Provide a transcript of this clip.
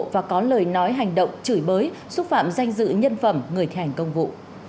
và có lời nói hành động chửi bới xúc phạm danh dự nhân phẩm người thi hành công vụ